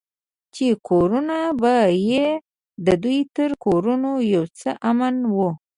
چې کورونه به يې د دوى تر کورونو يو څه امن وو.